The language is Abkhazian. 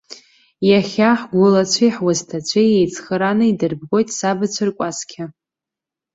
Иахьа ҳгәылацәеи ҳуасҭацәеи еицхырааны идырбгоит сабацәа ркәасқьа.